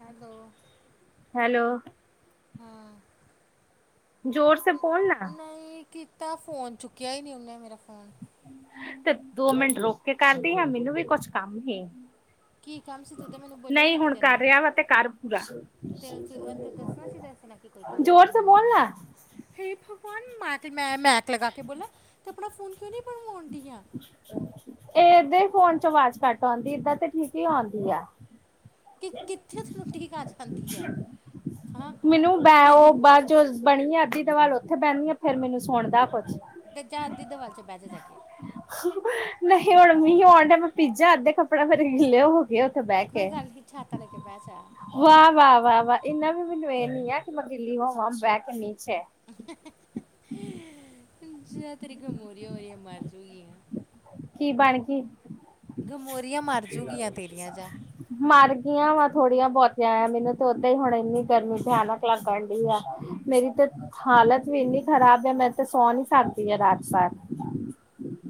Hello, hello ਹਾਂ ਜ਼ੋਰ ਸੇ ਬੋਲਣਾ ਨਹੀਂ ਕੀਤਾ ਫੋਨ ਚੁੱਕਿਆ ਹੀ ਨਹੀਂ ਉਹਨੇ ਮੇਰਾ ਫੋਨ ਤੇ ਦੋ ਮਿੰਟ ਰੁਕ ਕੇ ਕਰਦੀ ਆ ਮੈਨੂੰ ਵੀ ਕੁਛ ਕੰਮ ਸੀ। ਕੀ ਕੰਮ ਸੀ ਤੂੰ ਤੇ ਮੈਨੂੰ ਬੋਲਿਆ ਹੀ ਨਹੀਂ ਕਿ ਹੁਣ ਕਰ ਤੈਨੂੰ ਰਿਹਾ ਵਾ ਤੇ ਕਰ ਪੂਰਾ ਤੈਨੂੰ ਤੂੰ ਉੱਥੇ ਦੱਸਣਾ ਸੀ ਦੱਸਣਾ ਕਿ ਕੋਈ ਕੰਮ ਵੀ ਜ਼ੋਰ ਸੇ ਮੈਨੂੰ ਬੋਲ ਆ ਨਾ। ਹੇ ਭਗਵਾਨ ਮੈਕ ਮੈਂ ਮੈਕ ਲਗਾ ਕੇ ਬੋਲਾ, ਤੇ ਆਪਣਾ ਫੋਨ ਕਿਉਂ ਨੀ ਬਣਵਾਉਣ ਡੀ ਆ। ਇਹਦੇ ਫੋਨ ਚ ਆਵਾਜ਼ ਘੱਟ ਆਉਂਦੀ ਏਦਾਂ ਤੇ ਠੀਕ ਹੀ ਆਉਂਦੀ ਆ। ਕਿ ਕਿੱਥੇ ਕਿੱਥੇ [unintelligible] ਕਰ ਜਾਂਦੀ ਆ, ਹਾਂ ਮੈਨੂੰ ਬੈ ਮੇਰੇ ਉਹ ਬਾਅਦ ਜੋ ਬਣੀ ਆ ਅੱਧੀ ਦਵਾਲ ਉੱਥੇ ਬਹਿੰਨੀ ਆ ਫੇਰ ਮੈਨੂੰ ਸੁਣਦਾ ਕੁਛ। ਤੇ ਜਾ [unintelligible] ਨਹੀਂ ਹੁਣ ਮੀਂਹ ਆਉਣ ਡਿਆ ਮੈਂ ਪੀਜਾ ਅੱਧੇ ਕੱਪੜਾ ਮੇਰੇ ਗਿੱਲੇ ਹੋਗੇ ਆ ਕੋਈ ਗੱਲ ਨੀ ਛਾਤਾ ਲੈ ਕੇ ਬਹਿ ਜਾ। ਵਾਹ-ਵਾਹ-ਵਾਹ-ਵਾਹ ਇੰਨਾ ਵੀ ਮੈਨੂੰ ਇਹ ਨੀ‌ ਐ ਕਿ ਮੈਂ ਗਿਲੀ ਹੋਵਾਂ ਬਹਿ ਕੇ ਮੀਂਹ ਚੇ। ਅੱਛਾ, ਤੇਰੀ ਗਮੋਰੀਆਂ ਹੋਈਆਂ ਮਰਜੂਗੀਆਂ। ਕੀ ਬਣਗੀ ਗਮੋਰੀਆਂ ਮਰਜੂਗੀਆਂ ਤੇਰੀਆਂ ਜਾ। ਮਰਗੀਆਂ ਵਾ ਥੋੜੀਆਂ ਬਹੁਤੀਆਂ ਮੈਨੂੰ ਤੇ ਓਦਾਂ ਹੀ ਹੁਣ ਇੰਨੀ ਗਰਮੀ ਭਿਆਨਕ ਲੱਗਣ ਡੀ ਆ। ਮੇਰੀ ਤੇ ਹਾਲਤ ਵੀ ਇੰਨੀ ਖਰਾਬ ਐ ਮੈਂ ਤੇ ਸੌ ਨੀ ਸਕਦੀ ਆ ਰਾਤ ਭਰ।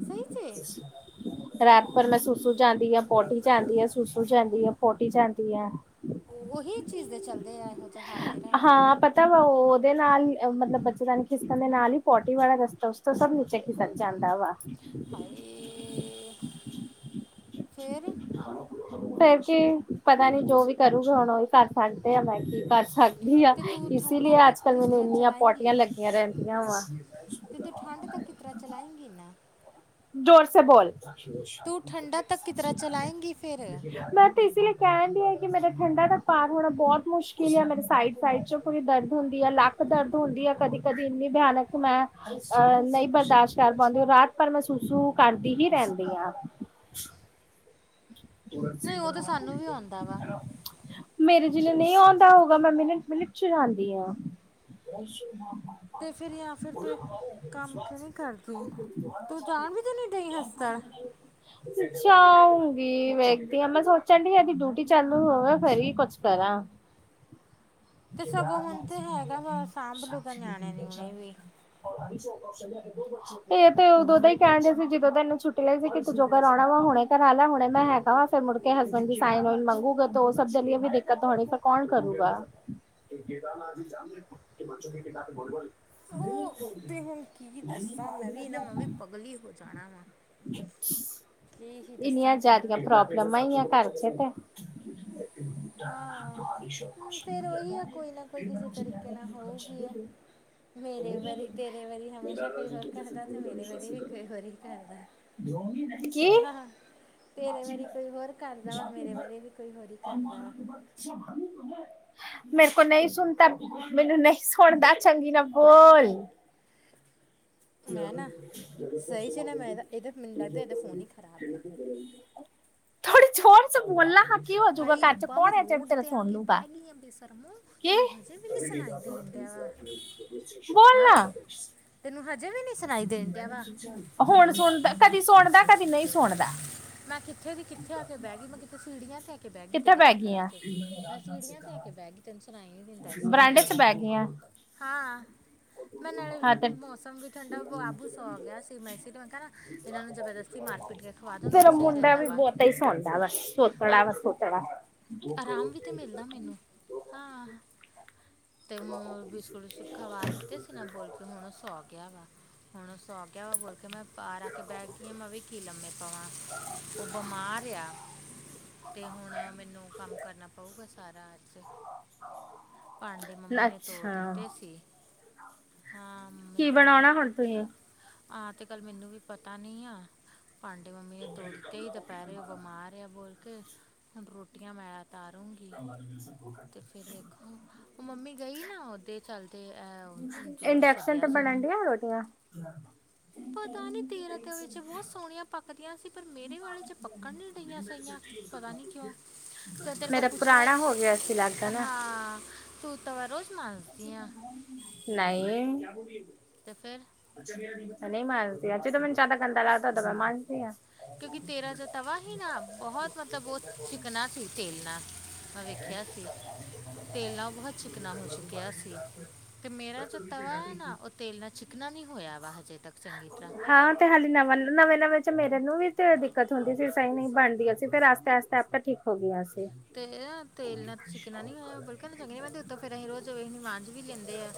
ਸਹੀ 'ਚ [unintelligible] ਰਾਤ ਭਰ ਮੈਂ ਸੁਸੂ ਜਾਂਦੀ ਆ, ਪੋਟੀ ਜਾਂਦੀ ਆ, ਸੁਸੂ ਜਾਂਦੀ ਆ, ਪੋਟੀ ਜਾਂਦੀ ਆ। ਓਹੀ ਚੀਜ਼ ਦੇ ਚਲਦੇ ਐ। ਹਾਂ ਪਤ ਤਾਂ ਉਹਦੇ ਨਾਲ ਈ ਮਤਲਬ ਬੱਚੇਦਾਨੀ ਖਿਸਕਣ ਦੇ ਨਾਲ ਹੀ ਪੋਟੀ ਵਾਲਾ ਰਸਤਾ ਉਸ ਤੋਂ ਸਭ ਨੀਚੇ ਖਿਸਣ ਜਾਂਦਾ ਵਾ। ਹਾਏ ਫਿਰ ਫੇਰ ਕੀ, ਪਤਾ ਨੀ ਜੋ ਵੀ ਕਰੂਗੇ ਹੁਣ ਓਹੀ ਕਰ ਸਕਦੇ ਆ ਮੈਂ ਕੀ ਕਰ ਸਕ ਦੀ ਆ ਤੇ ਤੂੰ ਇਸ ਠੰਡਾ ਲਈ ਤੱਕ ਅੱਜ ਕੱਲ ਮੈਨੂੰ ਕਿਤਰਾ ਇੰਨੀਆਂ ਪੋਟੀਆਂ ਚਲਾਏਂਗੀ ਲੱਗੀਆਂ ਰਹਿੰਦੀਆਂ ਵਾ। ਤੇ ਤੂੰ ਠੰਡ ਤੱਕ ਕਿੰਤਰਾਂ ਚਲਾਈਂਗੀ ਨਾ। ਜੋਰ ਸੇ ਬੋਲ, ਤੂੰ ਠੰਡਾ ਤੱਕ ਕਿਤਰਾ ਚਲਾਏਂਗੀ ਫਿਰ ਮੈਂ ਇਸ ਕਹਿਣ ਹੈ ਕਿ ਮੇਰਾ ਠੰਡਾ ਦਾ ਪਾਰ ਹੋਣਾ ਬਹੁਤ ਮੁਸ਼ਕਿਲ ਆ ਮੇਰੇ ਸਾਈਡ ਸਾਈਡ ਚੋਂ ਪੂਰੀ ਦਰਦ ਹੁੰਦੀ ਆ ਲੱਕ ਦਰਦ ਹੁੰਦੀ ਆ ਕਦੀ-ਕਦੀ ਇੰਨੀ ਭਿਆਨਕ ਮੈਂ ਅਹ ਨਈ ਬਰਦਾਸ਼ਤ ਕਰ ਪਾਓਂਦੀ ਰਾਤ ਭਰ ਮੈਂ ਸੁਸੂ ਕਰਦੀ ਹੀ ਰਹਿੰਦੀ ਆ। ਤੁਲਸੀ [inaudible] ਨਹੀਂ ਉਹ ਤਾਂ ਸਾਨੂੰ ਵੀ ਆਉਂਦਾ ਵਾ [unintelligible] ਮੇਰੇ ਜਿਨਾ ਨਈ ਆਉਂਦਾ ਹੋਗਾ ਮੈਂ ਮਿੰਨਟ-ਮਿੰਨਟ 'ਚ ਜਾਂਦੀ ਆ। [inaudible] ਤੇ ਫਿਰ ਜਾਂ ਫਿਰ ਤੂੰ ਇੱਕ ਕੰਮ ਕਿਉਂ ਨਹੀਂ ਕਰਦੀ ਤੂੰ ਜਾਣ ਵੀ ਤਾਂ ਨਹੀਂ ਡਈ ਹਸਪਤਾਲ [unintelligible] ਅੱਛਾ [unintelligible] ਵੀ ਵੇਖਦੀ ਆ ਮੈਂ ਸੋਚਣ ਡੀ ਇਹਦੀ ਡਿਊਟੀ ਚਾਲੂ ਹੋਵੇ ਫੇਰ ਈ ਕੁਛ ਕਰਾਂ। ਤੇ ਸਗੋਂ ਹੁਣ ਤੇ ਹੈਗਾ ਵਾ ਸਾਂਭਲੁਗਾ ਨਿਆਣੇ ਨੀਉਣੇ ਵੀ। [inaudible] [unintelligible] ਇਹ ਤੇ ਉਦੋਂ ਦਾ ਈ ਕਹਿਣ ਡ ਸੀ ਜਦੋਂ ਦਾ ਇਹਨੂੰ ਛੁੱਟ ਲਈ ਸੀ ਕਿ ਤੂੰ ਜੋ ਕਰਾਣਾ ਵਾ ਹੁਣੇ ਕਰਾ ਲਾ ਹੁਣੇ ਮੈਂ ਹੈਗਾ ਵਾ ਫਿਰ ਮੁੜਕੇ ਹਸਬੈਂਡ ਦੀ ਸਾਈਨ ਮੰਗੂਗੇ ਤੇ ਉਹ ਸਭ ਦੇ ਲਈ ਵੀ ਦਿੱਕਤ ਹੋਣੀ ਫੇਰ ਕੌਣ ਕਰੂਗਾ? [unintelligible] ਉਹ ਤੇ ਹੁਣ ਕੀ ਦੱਸਾਂ ਮੈਂ ਵੀ ਇਹ ਨਾ ਮੈਂ ਵੀ ਪਗਲੀ ਹੋ ਜਾਣਾ ਵਾ। [unintelligible] ਕੀ ਹੀ ਇੰਨੀਆਂ ਦੱਸਾਂ ਤੈਨੂੰ ਜਿਆਦੀਆਂ ਪ੍ਰੋਬਲਮਾ ਈ ਆ ਘਰ 'ਚ ਤੇ। [inaudible] ਹਾਂ ਫੇਰ ਉਹੀ ਆ ਕੋਈ ਨਾ ਕੋਈ ਕਿਸੇ ਤਰੀਕੇ ਨਾਲ ਹੋਊਗੀ ਆ ਮੇਰੇ ਵਾਰੀ ਤੇਰੇ ਵਾਰੀ ਹਮੇਸ਼ਾ ਕੋਈ ਹੋਰ ਕਰਦਾ ਤੇ ਮੇਰੇ ਵਾਰੀ ਵੀ ਕੋਈ ਹੋਰ ਈ ਕਰਦਾ। ਕੀ? ਹਾਂ ਤੇਰੇ ਵਾਰੀ ਕੋਈ ਹੋਰ ਕਰਦਾ ਵਾ ਮੇਰੇ ਬਾਰੇ ਵੀ ਕੋਈ ਹੋਰ ਈ ਕਰਦਾ ਵਾ। [inaudible] ਮੇਰੇ ਕੋਲ ਨਈ ਸੁਣਦਾ ਮੈਨੂੰ ਨਹੀਂ ਸੁਣਦਾ ਚੰਗੀ ਨਾ ਬੋਲ। [inaudible] [unintelligible] ਮੈਂ ਨਾ ਥੋੜ੍ਹੀ ਸਹੀ ਚ ਨਾ ਮੈਂ ਇਹਦਾ ਇਹਦਾ ਮੈਨੂੰ ਲੱਗਦਾ ਇਹਦਾ ਫੋਨ ਹੀ ਖ਼ਰਾਬ ਆ ਜ਼ੋਰ ਸੇ ਬੋਲਣਾ ਹਾ। ਕੀ ਹੋਜੂਗਾ ਹਾਏ ਘਰ 'ਚ ਰੱਬਾ ਮੈਂ ਕੌਣ ਆ ਜੇੜੀ ਰੋਡ ਤੇਰੇ ਤੇ ਆ ਸੁਣ ਕੇ ਲੂਗਾ। ਬਹਿ ਗਈ ਆ ਬੇਸ਼ਰਮੋ ਕੀ? ਤੈਨੂੰ ਹਜੇ ਵੀ ਨਹੀਂ ਸੁਣਾਈ ਦੇਣ ਡਿਆ ਵਾ ਬੋਲ ਹਾਂ ਨਾ ਤੈਨੂੰ ਹਜੇ ਵੀ ਨੀ ਸੁਣਾਈ ਦੇਣ ਡਿਆ ਵਾ। ਹੁਣ ਸੁਣਦ ਕਦੀ ਸੁਣਦਾ ਕਦੀ ਨਈ ਸੁਣਦਾ। ਮੈਂ ਕਿੱਥੇ ਦੀ ਕਿੱਥੇ ਆ ਕੇ ਬਹਿ ਗਈ ਮੈਂ ਕਿਤੇ ਸੀੜੀਆਂ ਤੇੈ ਕੇ ਬਹਿ ਗਈ ਕਿੱਥੇ ਤੇਰੇ ਚੱਕਰਾਂ ਗਈਆਂ 'ਚ ਮੈਂ ਸੀੜੀਆਂ ਤੇੈ ਕੇ ਬਹਿ ਗਈ ਤੈਨ ਸੁਣਾਈ ਨੀ ਦਿੰਦਾ ਇਸ ਲਈਏ ਬਰਾਂਡੇ 'ਚ ਬਹਿ ਗਈਆਂ ਹਾਂ ਮੈਂ ਨਾਲੇ ਹਾਂ ਤੇ ਮੌਸਮ ਵੀ ਠੰਡਾ ਬਾਬੂ ਸੌ ਗਿਆ ਸੀ ਮਹਿਸ਼ ਮੈਂ ਕਿਹਾ ਇਹਨਾਂ ਨੂੰ ਜਬਰਦਸਤੀ ਮਾਰ ਪੀਟ ਕੇ ਖਵਾ ਦੇਣ ਹੋਈ ਤੇਰਾ ਮੁੰਡਾ ਵੀ ਬਹੁਤਾ ਹੀ ਸੌਦਾ ਵਾ ਸੋਤੜਾ ਆਪ ਵਾ ਸੋਤੜਾ ਆਰਾਮ ਵੀ ਤੇ ਮਿਲਦਾ ਮੈਨੂੰ ਹਾਂ ਤੇ ਬਿਸਕੁਟ ਵਿਸਕੁਟ ਖਵਾ ਦਿੱਤੇ ਸੀ ਨਾ ਬੋਲ ਕੇ ਹੁਣ ਉਹ ਸੌਕ ਗਿਆ ਵਾ ਹੁਣ ਸੌ ਗਿਆ ਵਾ ਬੋਲ ਕੇ ਮੈਂ ਪਰ ਆ ਕੇ ਬਹਿ ਗਈ ਆ ਮੈਂ ਵੀ ਕੀ ਲੰਮੇ ਪਾਵਾਂ ਉਹ ਬਿਮਾਰ ਆ ਤੇ ਹੁਣ ਮੈਨੂੰ ਕੰਮ ਕਰਨਾ ਪਊਗਾ ਸਾਰਾ ਅੱਜ ਭਾਂਡੇ ਮੰਮੀ ਨੇ ਧੋ ਅੱਛਾ ਦਿੱਤੇ ਸੀ, ਹਾਂ ਮੰਮੀ ਨੇ ਕੀ ਪਾਂਡੇ ਬਣਾਉਣਾ ਹੁਣ ਤੁਸੀਂ ਤੇ ਆਂ ਤੇ ਕੱਲ ਮੈਨੂੰ ਵੀ ਪਤਾ ਨੀ ਆ, ਭਾਂਡੇ ਮੰਮੀ ਨੇ ਧੋ ਦਿੱਤੇ ਹੀ ਦੁਪਹਿਰੇ ਉਹ ਬਿਮਾਰ ਬੋਲ ਕੇ ਹੁ ਰੋਟੀਆਂ ਮੈਂ ਉਤਾਰੂੰਗੀ ਅਤੇ ਫਿਰ ਵੇਖੋ ਉਹ ਮੰਮੀ ਗਈ ਨਾ ਉਹਦੇ ਚਲਦੇ ਜੋ ਵੀ ਇੰਡਕਸ਼ਨ ਸੱਦਿਆ ਤੇ ਸੀ ਉਹਨੇ ਬਣਨ ਡੀਆਂ ਰੋਟੀਆਂ ਪਤਾ ਨੀ ਤੇਰ ਤੇ ਵਿੱਚ ਬਹੁਤ ਸੋਹਣੀਆਂ ਪੱਕਦੀਆਂ ਸੀ ਪਰ ਮੇਰੇ ਵਾਲੇ 'ਚ ਪੱਕਣ ਨੀ ਡਿਗੀਆਂ ਸਈਆਂ ਪਤਾ ਨੀ ਕਿਉਂ। ਫੇਰ ਤੇਰੇ ਕੋ ਮੇਰਾ ਪੁੱਛਣਾ ਪੁਰਾਣਾ ਹੋ ਗਿਆ ਸੀ ਲੱਗਦਾ ਨਾ ਹਾਂ ਤੂੰ ਤਾਂਵਾ ਰੋਜ ਨਈ ਤੇ ਫੇਰ ਨਈ ਮਰਦੀ ਅਜ ਈ ਤੇ ਮੈਨੂੰ ਜ਼ਿਆਦਾ ਗੰਦਾ ਲਗਦਾ ਉਦੋ ਮੈਂ ਮਾਜਦੀ ਆ। ਕਿਉਂਕਿ ਤੇਰਾ ਜੋ ਤਵਾ ਹੀ ਨਾ, ਬਹੁਤ ਮਤਲਬ ਉਹ ਚਿਕਨਾ ਸੀ ਤੇਲ ਨਾ। ਨਾਲ ਉਹ ਬਹੁਤ ਚਿਕਨਾ ਹੋ ਚੁੱਕਿਆ ਸੀ [unintelligible] ਤੇ ਮੇਰਾ ਜੋ ਤਵਾ ਐ ਨਾ, ਉਹ ਤੇਲ ਨਾਲ ਚਿਕਨਾ ਨੀ ਹੋਇਆ ਵਾ ਹਜੇ ਤੱਕ ਚੰਗੀ ਤਰ੍ਹਾਂ। ਹਾਂ ਤੇ ਹਲੇ ਨਵਾਂ, ਨਵੇਂ-ਨਵੇਂ 'ਚ ਮੇਰੇ ਨੂੰ ਵੀ ਤੇ ਦਿੱਕਤ ਹੁੰਦੀ ਸੀ ਸਈ ਨੀ ਬਣਦੀ ਸੀ, ਫੇਰ ਆਈਸਤਾ-ਆਈਸਤਾ ਆਪੇ ਠੀਕ ਹੋ ਗਿਆ ਸੀ। ਤੇ ਤੇਲ ਨਾਲ ਚਿਕਨਾ ਨੀ ਹੋਇਆ, ਬੁਲਕ ਚੰਗੀ [unintelligible] ਮੈਂ ਫੇਰ ਅਸੀਂ ਰੋਜ਼ ਕੋਈ ਨੀ ਮਾਂਜ ਵੀ ਲੈਂਦੇ ਆ,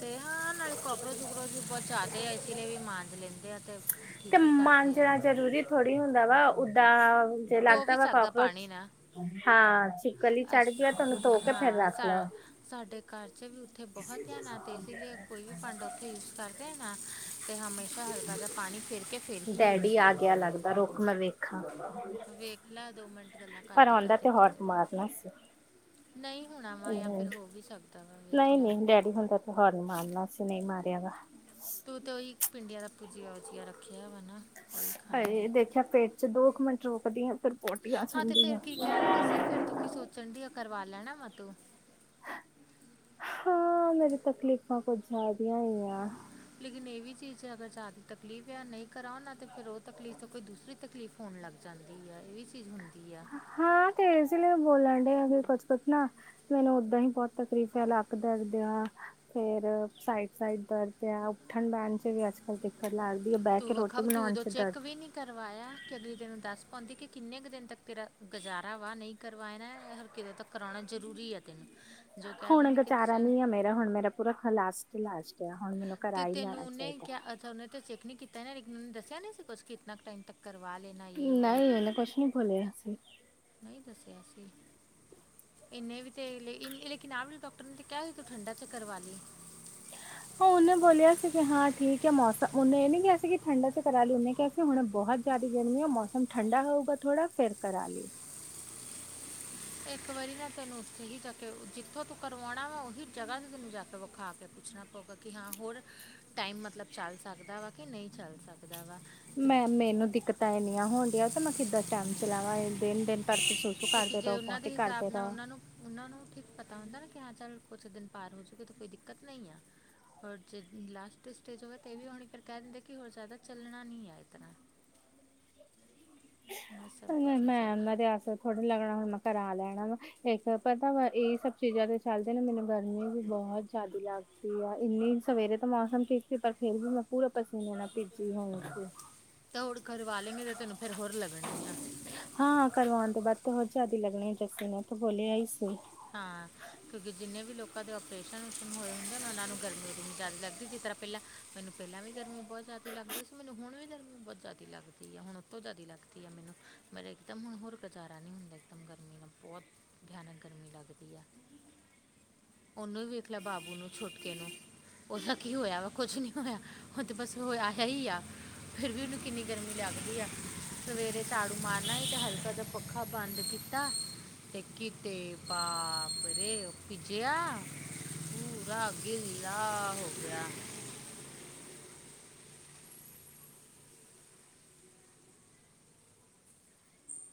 ਤੇ ਹਾਂ, ਨਾਲੇ ਕੌਕਰੋਜ-ਵੁਕਰੋਚ ਪਹੁੰਚਾਦੇ ਆ ਇਸ ਲਈ ਵੀ ਮਾਂਜ ਲੈਂਦੇ ਆ ਤੇ, ਠੀਕ ਹੀ ਕਰਦੇ ਆ। ਥੋੜੀ ਹੁੰਦਾ ਵਾ ਓਦਾਂ, ਜੇ ਧੋ ਲੱਗਦਾ ਵੀ ਵਾ ਸਕਦਾ ਪਾਣੀ ਕਾਕਰੋਚ ਨਾਲ ਹਾਂ, ਛਿਪਕਲੀ ਚੜ ਅਸ ਗਈ ਤ ਓਹਨੂੰ ਧੋਕੇ ਫਿਰ ਹਾਂ ਰੱੱਖਲੋ। ਸਾ ਸਾਡੇ ਘਰ 'ਚ ਵੀ ਉੱਥੇ ਬਹੁਤ ਧਿਆਨ ਆ, ਤੇ ਇਸੀ ਲੀਏ ਕੋਈ ਵੀ ਭਾੰਡਾ ਉੱਥੇ ਯੂਜ ਕਰ ਨਾ, ਅਤੇ ਹਮੇਸ਼ਾ ਹਲਕਾ ਜਾ ਪਾਣੀ ਫੇਰਕੇ ਫਿਰ ਹੀ ਯੂਜ ਕਰਦੇ। ਰੁੱਖ ਮਵੇ ਖਾ ਵੇਖਲਾ ਦੋ ਮਿੰਟ ਗੱਲਾਂ ਕਰਦੀ ਦਿੱਤੇ ਦਾ ਹੋਰਨ ਮਾਰਨਾ ਸੀ। ਨਹੀਂ ਹੋਣਾ ਵਾ ਯਾ ਫਿਰ ਹੋ ਵੀ ਸਕ ਨਹੀਂ-ਨਹੀਂ ਡੈਡੀ ਹੁੰਦਾ ਤਾ ਹੌਰਨ ਮਾਰਨਾ ਸੀਂ, ਨਹੀਂ ਮਾਰਿਆ ਵਾ। ਤੂੰ ਤਾਂ ਉਹੀ, ਭਿੰਡੀਆਂ ਦਾ ਭੂਜੀਆ-ਉਜੀਆ ਰੱਖਿਆ ਵਾ ਨਾ? ਉਹੀ ਹਾਏ, ਖਾਏਂਗੀ ਦੇਖਿਆ ਪੇਟ'ਚ ਦੋ ਕੁ ਮਿੰਟ ਰੋਕਦੀਆਂ, ਫਿਰ ਪੌਟੀ ਆਂ ਹਾਂ ਤੇ ਜਾਂਦੀ ਫਿਰ ਆ। ਕੀ ਕਹਿਣ ਦੀ ਸੀ ਫਿਰ ਤੂੰ ਕੀ ਸੋਚਣਡੀ ਆ, ਕਰਵਾ ਲੈਣਾ ਵਾ, ਤੂੰ? ਹਾਂ। ਮੇਰੀ ਤਕਲੀਫ਼ਾਂ ਕੁਝ ਜਿਆਦੀਆਂ ਹੀ ਆ। ਲੇਕਿਨ ਇਹ ਵੀ ਚੀਜ਼ ਅਗਰ ਜਾਦੀ ਤਕਲੀਫ਼ ਯਾ ਨਹੀਂ ਕਰਾਓ ਨਾ, ਤੇ ਫਿਰ ਉਹ ਤਕਲੀਫ਼ ਤੋਂ ਕੋਈ ਦੂਸਰੀ ਤਕਲੀਫ਼ ਹੋਣ ਲੱਗ ਜਾਂਦੀ ਆ, ਇਹ ਵੀ ਚੀਜ਼ ਹੁੰਦੀ ਆ। ਹਾਂ, ਤੇ ਇਸੇ ਲਈ ਬੋਲਣਡੇ ਆਂ ਵੀ, ਕੁੱਛ-ਕੁੱਛ ਨਾ ਮੈਨੂੰ ਓਦਾਂ ਹੀ ਬਹੁਤ ਤਕਲੀਫ਼ ਹੈ, ਲੱਕ ਦਰਦ ਯਾ। ਫਿਰ ਸਾਈਡ-ਸਾਈਡ ਦਰਦ ਯਾ, ਉੱਠਣ-ਬੈਣ ਵੀ ਅੱਜ-ਕੱਲ ਦਿੱਕਤ ਲੱਗਦੀ ਹੈ, ਤੂੰ ਬਹਿਕੇ ਵਖਾ ਰੋਟੀ ਤੂੰ ਉਦੋਂ ਬਣਾਉਣ'ਚ ਦਰਦ। ਚੈੱਕ ਵੀ ਨਹੀਂ ਕਰਵਾਇਆ। ਕਿ ਅਗਲੀ ਤੈਨੂੰ ਦੱਸ ਪਾਉਂਦੀ ਕਿ, ਕਿੰਨੇ ਕੁ ਦਿਨ ਤੱਕ ਤੇਰਾ ਗੁਜ਼ਾਰਾ ਵਾ ਨਹੀਂ ਕਰਵਾਈਣਾ ਹਰ ਕਿ ਤੱਕ ਕਰਾਉਣਾ ਜ਼ਰੂਰੀ ਐ, ਤੈਨੂੰ। ਜੋ ਕਹਿ ਹੁਣ ਦਿੰਦੇ ਕਿ ਗੁਜ਼ਾਰਾ ਚ- ਨੀ ਆ ਮੇਰਾ, ਹੁਣ ਮੇਰਾ ਪੂਰਾ ਲਾਸਟ-ਈ ਲਾਸਟ ਆ, ਹੁਣ ਮੈਨੂੰ ਕਰਾ ਹੀ ਤੈਨੂੰ ਲੈਣਾ ਉਹਨੇ ਚਾਹੀਦਾ। ਕਿਆ ਅੱਛਾ ਉਹਨੇ ਤੇ ਚੈੱਕ ਨੀ ਕੀਤਾ, ਇਹਨਾਂ ਦੱਸਿਆ ਨੀ ਸੀ, ਕੁਛ ਕਿਤਨਾ ਟਾਈਮ ਤੱਕ ਕਰਵਾ ਲੇ? ਨਹੀਂ, ਉਹਨੇ ਕੁਛ ਨੀ ਬੋਲਿਆ ਸੀ। ਨਹੀਂ ਦੱਸਿਆ ਸੀ। ਇਹਨੇ ਵੀ ਤੇ, ਲੇਕਿਨ ਆਵੀ ਡਾਕਟਰ ਨੇ ਤੇ ਕਿਹਾ, ਕਿ ਤੂੰ ਠੰਡਾ ਤੇ ਕਰਵਾ ਲੇ। ਹ [unintelligible] ਉਹਨੇ ਬੋਲਿਆ ਸੀ ਕਿ ਹਾਂ ਠੀਕ ਹੈ ਮੌਸਮ, ਉਹਨੇ ਇਹ ਨੀ ਕਿਹਾ ਸੀ ਕਿ ਠੰਡਾ'ਚ ਕਰਾਲੀ ਉਹਨੇ ਕਿਹਾ ਹੁਣ ਬਹੁਤ ਜਿਆਦਾ ਗਰਮੀ ਆ, ਮੌਸਮ ਠੰਡਾ ਹੋਊਗਾ ਥੋੜਾ ਫੇਰ ਕਰਾਲੇ। ਇੱਕ ਵਾਰੀ ਨਾ ਤੈਨੂੰ ਉਥੇ ਹੀ ਜਾਕੇ, ਜਿੱਥੋਂ ਤੂੰ ਕਰਵਾਓਣਾ ਵਾ ਉਹੀ ਜਗ੍ਹਾ ਤੇ ਤੈਨੂੰ ਜਾ ਤਾਂ ਵਖਾ ਕੇ ਪੁਛਣਾ ਪਉਗਾ। ਕਿ ਹਾਂ ਹੋਰ ਟਾਈਮ ਮਤਲਬ ਚੱਲ ਸਕਦਾ ਵਾ ਕਿ ਨਹੀਂ ਚੱਲ ਸਕਦਾ ਵਾ। ਕਿ- ਮੈਂ ਮੈਨੂੰ ਦਿੱਕਤਾਂ ਇੰਨੀਆਂ ਹੋਦੀਆਂ ਤੇ ਮੈਂ ਕਿੱਦਾਂ ਟਾਈਮ ਚਲਾਵਾਂ। ਦਿਨ, ਦਿਨ ਤੱਕ ਫਿਰ ਸੋਸੂ ਕਿਉਂਕਿ ਜੇ ਕਰਦੇਗਾ ਉਹਨਾਂ ਪੋਟੀ ਦੇ ਹਿਸਾਬ ਨਾਲ ਕਰਦੇਗਾ। ਉਹਨਾਂ ਨੂੰ ਉਹਨਾਂ ਨੂੰ ਠੀਕ ਪਤਾ ਹੁੰਦਾ ਨਾ, ਕਿ ਹਾਂ ਚੱਲ ਕੁਛ ਦਿਨ ਪਾਰ ਹੋਜੂਗੇ ਤਾਂ ਕੋਈ ਦਿੱਕਤ ਨਹੀਂ ਆ। ਔਰ ਜੇ ਲਾਸਟ ਸਟੇਜ ਹੋਵੇ ਤੇ, ਇਹ ਵੀ ਹੋਣੀ ਫਿਰ ਕਹਿ ਦਿੰਦੇ ਕਿ, ਹੋਰ ਜ਼ਿਆਦਾ ਚੱਲਣਾ ਨਹੀਂ ਹੈ ਇਤਨਾ ਇਹ ਸਭ ਵੀ ਚੀਜ਼ਾਂ ''ਮੈਂ ਤੇ ਆਸਰੇ ਥੋੜ੍ਹੇ ਨੀ ਲਗਣਾ, ਹੁਣ ਮੈਂ ਕਰਾ ਲੈਣਾ ਵਾ। ਇੱਕ ਪਤਾ ਵਾ, ਇਹ ਸਭ ਚੀਜ਼ਾਂ ਤੇ ਚੱਲਦੇ ਨਾ ਮੈਨੂੰ ਗਰਮੀ ਵੀ ਬਹੁਤ ਜ਼ਿਆਦਾ ਲੱਗਦੀ ਆ ਇੰਨੀ ਸਵੇਰੇ ਤਾਂ ਮੌਸਮ ਠੀਕ ਸੀ, ਪਰ ਫਿਰ ਵੀ ਮੈਂ ਪੂਰਾ ਪਸੀਨੇ ਨਾਲ ਭੀਜੀ ਹੋਈ ਸੀ। ਤਾਂ ਹੋੜ ਕਰਵਾ ਲੈਂਗੇ, ਤਾਂ ਤੈਨੂੰ ਫਿਰ ਹੋਰ ਲੱਗਣੇ ਆ। ਹਾਂ, ਕਰਵਾਉਣ ਤੋਂ ਬਾਅਦ ਤੇ ਹੋਰ ਜ਼ਿਆਦਾ ਲੱਗਣੀ, ਜੱਸੀ ਨੇਥ ਬੋਲਿਆ ਹੀ ਸੀ। ਹਾਂ, ਕਿਉਂਕਿ ਜਿੰਨੇ ਵੀ ਲੋਕਾਂ ਦੇ ਓਪਰੇਸ਼ਨ ਉਪਸ਼ੁਨ ਹੋਏ ਹੁੰਦੇ ਨਾ, ਉਹਨਾਂ ਨੂੰ ਗਰਮੀ-ਗਰਮੀ ਜ਼ਿਆਦਾ ਲੱਗਦੀ ਜਿਸ ਤਰ੍ਹਾਂ ਪਹਿਲਾ, ਮੈਨੂੰ ਪਹਿਲਾਂ ਵੀ ਗਰਮੀ ਬਹੁਤ ਜ਼ਿਆਦੀ ਲੱਗਦੀ ਸੀ, ਮੈਨੂੰ ਹੁਣ ਵੀ ਗਰਮੀ ਬਹੁਤ ਜ਼ਿਆਦੀ ਲੱਗਦੀ ਆ, ਹੁਣ ਉਤੋ ਜ਼ਿਆਦੀ ਲੱਗ ਮੈਨੂੰ ਮੇ ਇੱਕਦਮ ਹੁਣ ਹੋਰ ਗੁਜ਼ਾਰਾ ਨਹੀਂ ਹੁੰਦਾ, ਇੱਕਦਮ ਗਰਮੀ ਦਾ ਬਹੁਤ ਧਿਆਨ ਗਰਮੀ ਲੱਗਦੀ ਹੈ ਉਹਨੂੰ ਵੀ ਵੇਖ ਲਿਆ ਬਾਬੂ ਨੂੰ ਛੁਟਕੇ ਨੂੰ। ਉਹਦਾ ਕੀ ਹੋਇਆ ਵਾ ਕੁਛ ਨਹੀਂ ਹੋਇਆ ਉਹ ਤੇ ਬਸ ਹੋਇਆ ਹੈ ਹੀ ਆ। ਫਿਰ ਵੀ ਉਹਨੂੰ ਕਿੰਨੀ ਗਰਮੀ ਲੱਗਦੀ ਆ। ਸਵੇਰੇ ਝਾੜੂ ਮਾਰਨਾ ਤੇ ਹਲਕਾ ਜਿਹਾ ਪੱਖਾ ਬੰਦ ਕੀਤਾ ਤੇ। ਅਤੇ ਬਾਪਰੇ ਭਿੱਜਿਆ। ਪੂਰਾ ਅੱਗੇ ਨੀਲਾ ਹੋ ਗਿਆ।